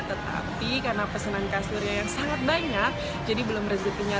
tetapi karena pesenan kas surya yang sangat banyak jadi belum rezitinya